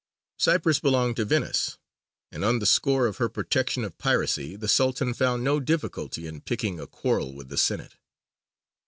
Cyprus belonged to Venice, and on the score of her protection of piracy the Sultan found no difficulty in picking a quarrel with the Senate.